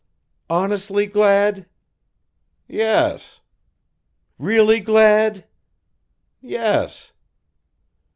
"Honestly glad?" "Yes." "Really glad?" "Yes."